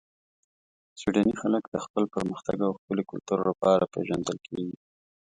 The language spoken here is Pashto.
سویدني خلک د خپل پرمختګ او ښکلي کلتور لپاره پېژندل کیږي.